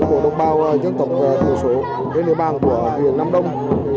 của đồng bào dân tộc thủ sổ trên địa bàn của huyện nam đông